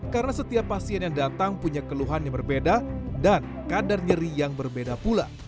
karena setiap pasien yang datang punya keluhan yang berbeda dan kadar nyeri yang berbeda pula